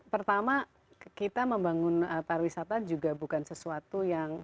pertama kita membangun pariwisata juga bukan sesuatu yang